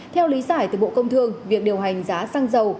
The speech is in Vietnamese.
theo lý giải từ bộ công thương việc điều hành giá xăng dầu